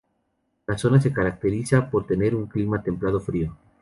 La zona se caracteriza por tener un clima templado frío.